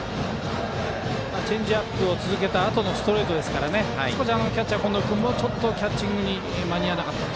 チェンジアップを続けたあとストレートなのでキャッチャー、近藤君もキャッチングに間に合わなかった。